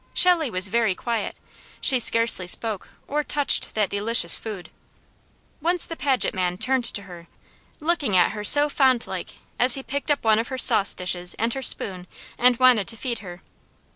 Shelley was very quiet; she scarcely spoke or touched that delicious food. Once the Paget man turned to her, looking at her so fondlike, as he picked up one of her sauce dishes and her spoon and wanted to feed her.